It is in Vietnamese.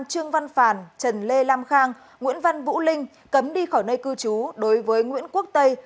trương văn phàn trần lê lam khang nguyễn văn vũ linh cấm đi khỏi nơi cư trú đối với nguyễn quốc tây